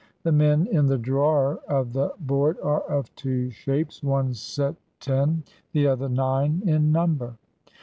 The men in the drawer of the board are of two shapes, one set ten, the other nine in number.